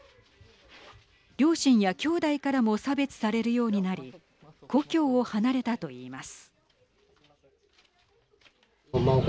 両親や兄弟からも差別されるようになり故郷を離れたと言います。